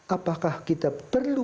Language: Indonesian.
apakah kita perlu